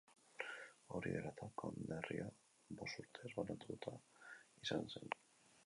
Hori zela eta, konderria bost urtez banatuta izan zen.